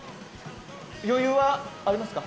余裕はありますか？